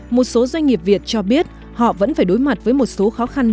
một số doanh nghiệp việt cho biết họ vẫn phải đối mặt với một số khó khăn